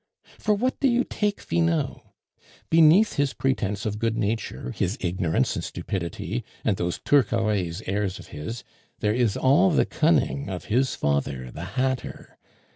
For what do you take Finot? Beneath his pretence of good nature, his ignorance and stupidity, and those Turcaret's airs of his, there is all the cunning of his father the hatter.